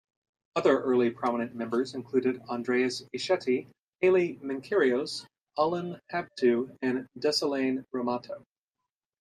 Other early prominent members included Andreas Eshete, Haile Menkerios, Alem Habtu, and Dessalegn Rahmato.